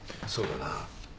そうだな。